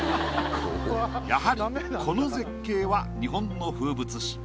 やはりこの絶景は日本の風物詩。